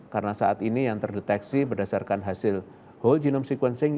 karena saat ini yang terdeteksi berdasarkan hasil whole genome sequencing